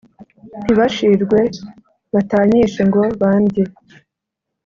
ntibashirwe batanyishe ngo bandye!